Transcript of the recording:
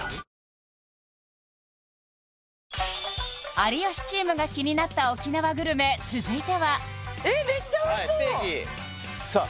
有吉チームが気になった沖縄グルメ続いてはめっちゃおいしそう！